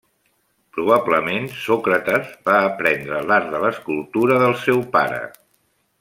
Probablement Sòcrates va aprendre l'art de l'escultura del seu pare.